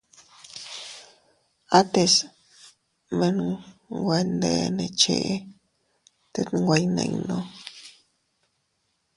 Ates menwe nde ne cheʼe tet nwe iyninnu.